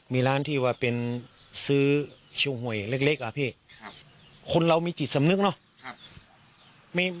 มีร้านที่ว่าเป็นซื้อชิวหวยเล็กอ่ะพี่คนเรามีจิตสำนึกเนอะ